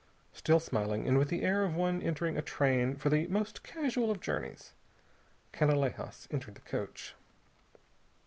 Still smiling, and with the air of one entering a train for the most casual of journeys, Canalejas entered the coach.